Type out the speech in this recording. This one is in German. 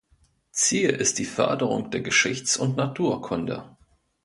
Ziel ist die Förderung der Geschichts- und Naturkunde.